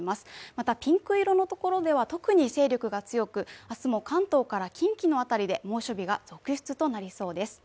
またピンク色のところでは特に勢力が強く明日も関東から近畿の辺りで猛暑日が続出となりそうです。